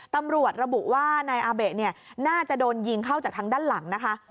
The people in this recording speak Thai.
ตำรวจระบุว่านายอาเบะเนี่ยน่าจะโดนยิงเข้าจากทางด้านหลังนะคะ